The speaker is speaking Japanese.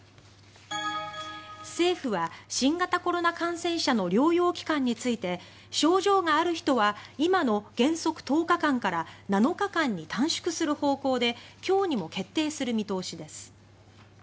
政府は新型コロナ感染者の療養期間について症状がある人は今の原則１０日間から７日間に短縮する方向で今日にも決定する見通しです。